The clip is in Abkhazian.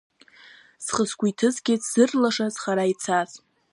Схы-сгәы иҭызгеит сзыршлаз, хара ицаз.